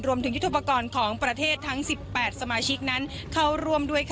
ยุทธุปกรณ์ของประเทศทั้ง๑๘สมาชิกนั้นเข้าร่วมด้วย